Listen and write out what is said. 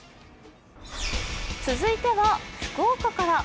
続いては福岡から。